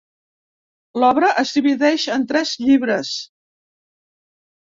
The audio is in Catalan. L'obra es divideix en tres llibres.